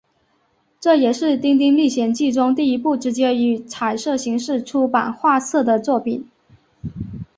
这也是丁丁历险记中第一部直接以彩色形式出版画册的作品。